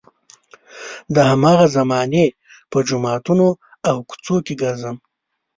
د هماغې زمانې په جوماتونو او کوڅو کې ګرځم.